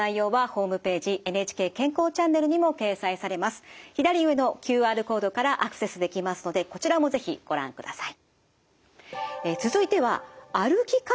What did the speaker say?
今お伝えしました内容は左上のＱＲコードからアクセスできますのでこちらも是非ご覧ください。